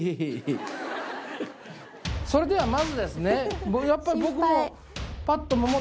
それではまずですね。